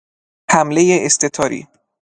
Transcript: حملهی استتاری